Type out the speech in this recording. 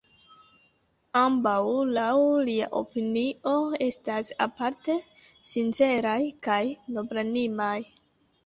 Ambaŭ, laŭ lia opinio, estas aparte sinceraj kaj noblanimaj.